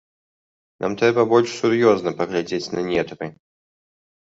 Нам трэба больш сур'ёзна паглядзець на нетры.